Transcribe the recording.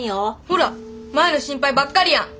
ほら舞の心配ばっかりやん！